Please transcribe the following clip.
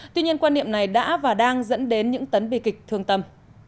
tuy nhiên quan niệm này đã và đang dẫn đến những tấn bi kịch thương tâm